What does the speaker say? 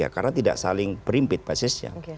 karena tidak saling berimpit basisnya